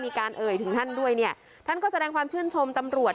เอ่ยถึงท่านด้วยเนี่ยท่านก็แสดงความชื่นชมตำรวจ